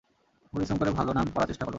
পরিশ্রম করে ভালো নাম করার চেষ্টা করো।